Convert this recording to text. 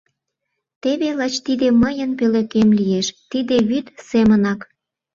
— Теве лач тиде мыйын пӧлекем лиеш.. тиде вӱд семынак…